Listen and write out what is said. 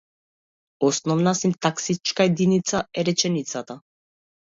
Основна синтаксичка единица е реченицата.